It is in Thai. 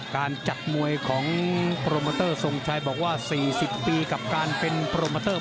การจัดมวยของโปรโมเตอร์ทรงชัยบอกว่า๔๐ปีกับการเป็นโปรโมเตอร์